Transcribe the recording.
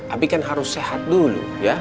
abi kan harus sehat dulu ya